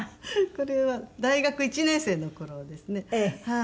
これは大学１年生の頃ですね。